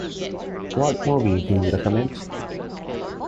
What movie do you recommend?